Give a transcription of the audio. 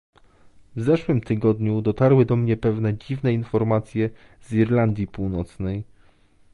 W zeszłym tygodniu dotarły do mnie pewne dziwne informacje z Irlandii Północnej